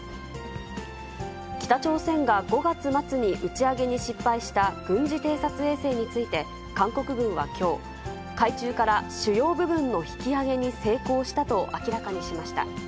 北朝鮮が５月末に打ち上げに失敗した軍事偵察衛星について、韓国軍はきょう、海中から主要部分の引き揚げに成功したと明らかにしました。